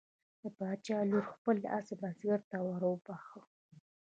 د باچا لور خپل آس بزګر ته وروبخښه.